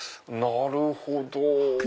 なるほど！